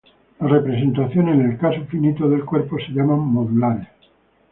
Las representaciones en el caso finito del cuerpo se llaman "modulares".